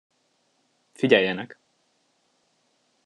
Figyeljenek!